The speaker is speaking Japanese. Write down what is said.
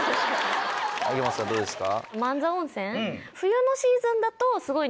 秋元さんどうですか？